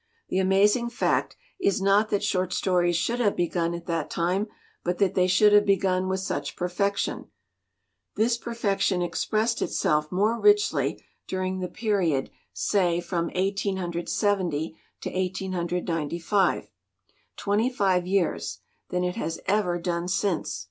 The amazing fact is not that short stories should have begun at that time, but that they should have begun with such perfection. This perfection expressed itself more richly during the period, say, from 1870 to 1895 twenty five years than it has ever done since.